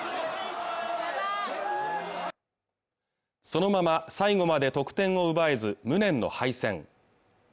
そのまま最後まで得点を奪えず無念の敗戦